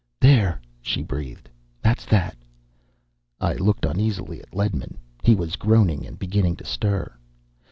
"There," she breathed. "That's that." I looked uneasily at Ledman. He was groaning and beginning to stir.